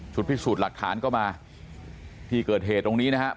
พิสูจน์หลักฐานก็มาที่เกิดเหตุตรงนี้นะครับ